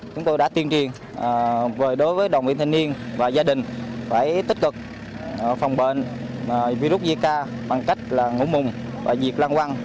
chúng tôi đã tuyên truyền đối với đoàn viên thanh niên và gia đình phải tích cực phòng bệnh virus zika bằng cách ngủ mùng và diệt lăng quăng